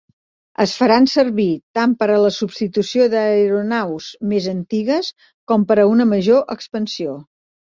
Es faran servir tant per a la substitució d'aeronaus més antigues com per a una major expansió.